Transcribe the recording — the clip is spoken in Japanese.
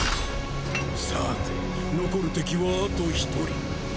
さて残る敵はあと１人。